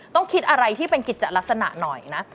ต้องคิดอะไรที่เป็นกิจลักษณะหน่อยนะ